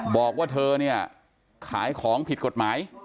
บอกว่าเธอเนี่ยขายของผิดกฎหมาย